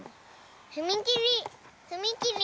ふみきりふみきり。